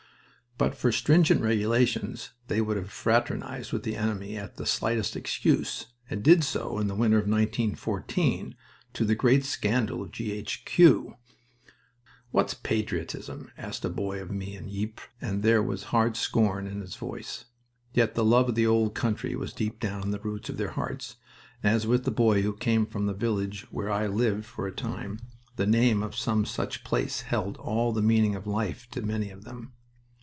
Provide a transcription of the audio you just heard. But for stringent regulations they would have fraternized with the enemy at the slightest excuse, and did so in the winter of 1914, to the great scandal of G. H. Q. "What's patriotism?" asked a boy of me, in Ypres, and there was hard scorn in his voice. Yet the love of the old country was deep down in the roots of their hearts, and, as with a boy who came from the village where I lived for a time, the name of some such place held all the meaning of life to many of them.